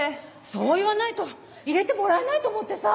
そう言わないと入れてもらえないと思ってさ。